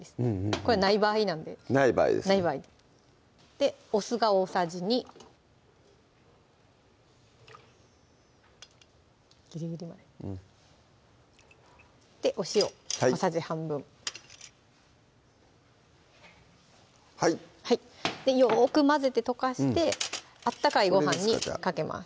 これない場合なんでない場合ですねでお酢が大さじ２ギリギリまでお塩小さじ半分はいよく混ぜて溶かして温かいご飯にかけます